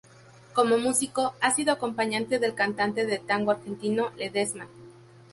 Como músico, ha sido acompañante del cantante de tango Argentino Ledesma.